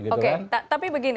oke tapi begini